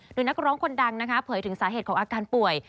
โดยนักร้องคนดังนะคะเผยถึงสาเหตุของอาการป่วย